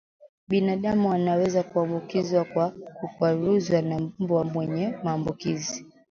Binadamu anaweza kuambukizwa kwa kukwaruzwa na mbwa mwenye maambukizi